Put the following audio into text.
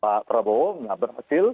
pak prabowo berhasil